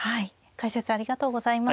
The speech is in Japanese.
解説ありがとうございました。